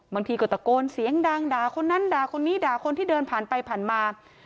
บางทีก็ตะโกนเสียงดังด่าคนนั้นด่าคนนี้ด่าคนที่เดินผ่านไปผ่านมา